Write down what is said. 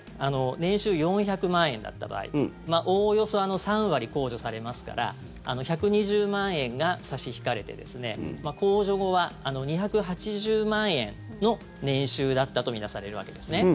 年収４００万円だった場合おおよそ３割控除されますから１２０万円が差し引かれて控除後は２８０万円の年収だったと見なされるわけですね。